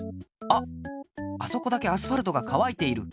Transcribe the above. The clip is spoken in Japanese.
あそこだけアスファルトがかわいている。